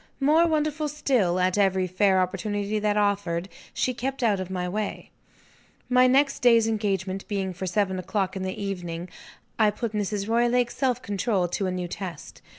More wonderful still, at every fair opportunity that offered, she kept out of my way. My next day's engagement being for seven o'clock in the evening, I put Mrs. Roylake's self control to a new test.